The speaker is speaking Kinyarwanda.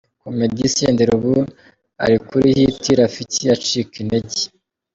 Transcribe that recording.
Comedy Senderi ubu ari kuri hit ,Rafiki acika intege.